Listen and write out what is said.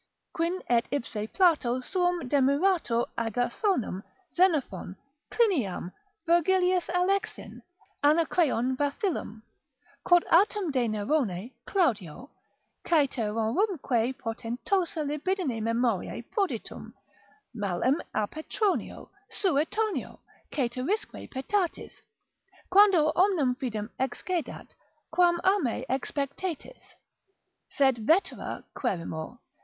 Quin et ipse Plato suum demiratur Agathonem, Xenophon, Cliniam, Virgilius Alexin, Anacreon Bathyllum: Quod autem de Nerone, Claudio, caeterorumque portentosa libidine memoriae proditum, mallem a Petronio, Suetonio, caeterisque petatis, quando omnem fidem excedat, quam a me expectetis; sed vetera querimur.